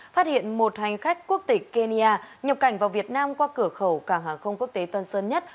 phát hiện một hành khách quốc tịch kenya nhập cảnh vào việt nam qua cửa khẩu cảng hàng không quốc tế tân sơn nhất